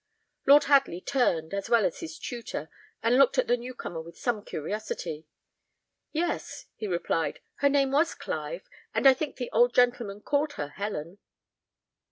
Lord Hadley turned, as well as his tutor, and looked at the new comer with some curiosity. "Yes," he replied, "her name was Clive, and I think the old gentleman called her Helen."